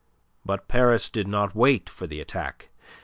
But Paris did not wait for the attack.